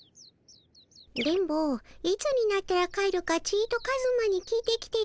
電ボいつになったら帰るかちっとカズマに聞いてきてたも。